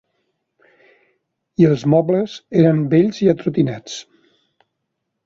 I els mobles eren vells i atrotinats.